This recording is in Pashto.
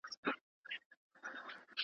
غرونه ډک له داړه مارو کلي ډک دي له خونکارو.